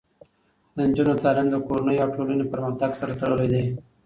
د نجونو تعلیم د کورنیو او ټولنې پرمختګ سره تړلی دی.